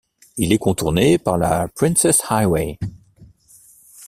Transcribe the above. Il est contourné par la Princes Highway.